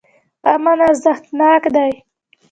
امن ارزښتناک دی.